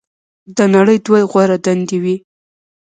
"د نړۍ دوه غوره دندې وې.